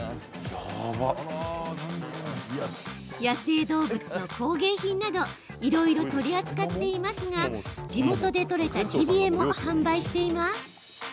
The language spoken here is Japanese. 野生動物の工芸品などいろいろ取り扱っていますが地元で取れたジビエも販売しています。